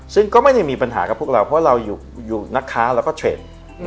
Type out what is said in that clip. ซึ่งก็ไม่ได้มีปัญหากับพวกเราเพราะเราอยู่นักค้าแล้วก็เทรนด์